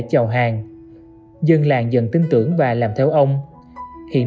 chào hàng dân làng dần tin tưởng và làm theo ông hiện